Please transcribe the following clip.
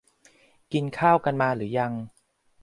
กินข้าวกันมาหรือยัง